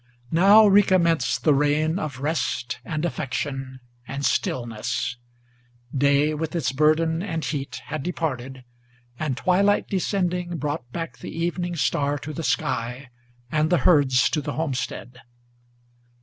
Now recommenced the reign of rest and affection and stillness. Day with its burden and heat had departed, and twilight descending Brought back the evening star to the sky, and the herds to the homestead.